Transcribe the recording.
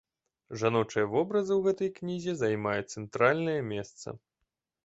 Жаночыя вобразы ў гэтай кнізе займаюць цэнтральнае месца.